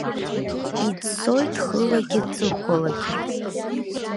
Иӡсоит хылагьы ҵыхәалагьы.